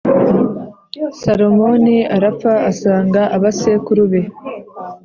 Salomoni arapfa asanga abasekuru be,